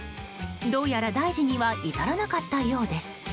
どうやら大事には至らなかったようです。